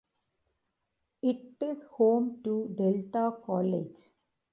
It is home to Delta College.